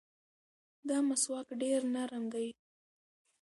دا مسواک ډېر نرم دی.